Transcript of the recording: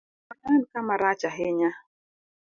Mano en kama rach ahinya